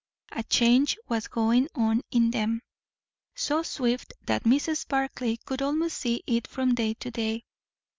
A change was going on in them, so swift that Mrs. Barclay could almost see it from day to day.